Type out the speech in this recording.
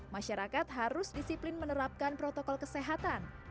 masyarakat harus disiplin menerapkan protokol kesehatan